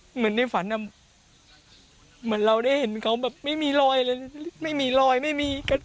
เหมือนได้ฝันอ่ะเหมือนเราได้เห็นเขาแบบไม่มีลอยอะไร